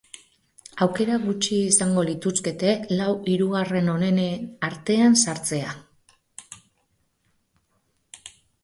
Aukera gutxi izango lituzkete lau hirugarren onenen artean sartzea.